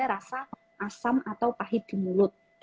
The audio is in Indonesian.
rasa asam atau pahit di mulut